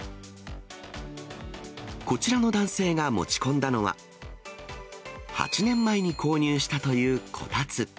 こちらの男性が持ち込んだのは、８年前に購入したというこたつ。